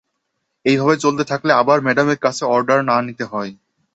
এই ভাবে চলতে থাকলে আবার ম্যাডামের কাছে অর্ডার না নিতে হয়!